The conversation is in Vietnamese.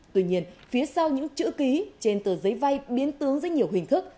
tuy nhiên phía sau những chữ ký trên tờ giấy vay biến tướng dưới nhiều hình thức